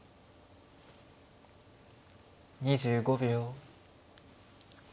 ２５秒。